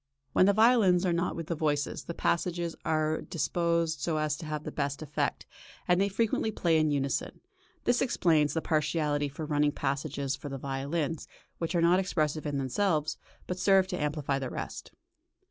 When the violins are not with the voices, the passages are disposed so as to have the best effect, and they frequently play in unison; this explains the partiality for running passages for the violins, which are not expressive in themselves, but serve to amplify the rest.